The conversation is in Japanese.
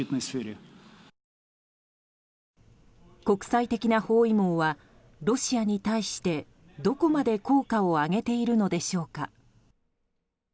国際的な包囲網はロシアに対してどこまで効果を上げているのでしょうか。